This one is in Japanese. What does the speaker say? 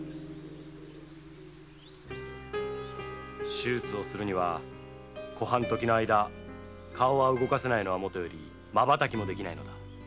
手術をするには小半時の間顔は動かせないのはもとより瞬きもできないのだ。